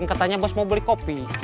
katanya bos mau beli kopi